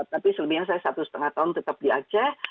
tapi selebihnya saya satu setengah tahun tetap di aceh